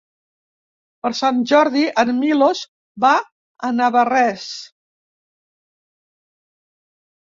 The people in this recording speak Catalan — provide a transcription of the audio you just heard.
Per Sant Jordi en Milos va a Navarrés.